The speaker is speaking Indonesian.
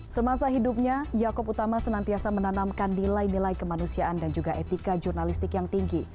semasa hidupnya yaakob utama senantiasa menanamkan nilai nilai kemanusiaan dan juga etika jurnalistik yang tinggi